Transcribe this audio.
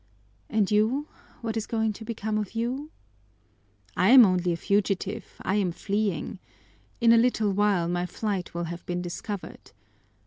And you, what is going to become of you?" "I am only a fugitive, I am fleeing. In a little while my flight will have been discovered.